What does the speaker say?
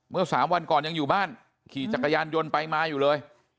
สามวันก่อนยังอยู่บ้านขี่จักรยานยนต์ไปมาอยู่เลย